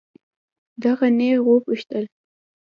ده نېغ وپوښتل.